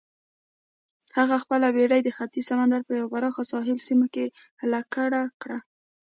هغه خپله بېړۍ د ختیځ سمندر په یوه پراخه ساحلي سیمه کې لنګر کړه.